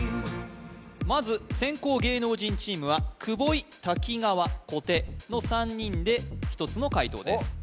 まず先攻芸能人チームは久保井滝川小手の３人で１つの解答です